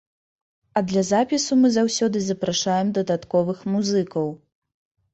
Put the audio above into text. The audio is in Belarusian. А для запісу мы заўсёды запрашаем дадатковых музыкаў.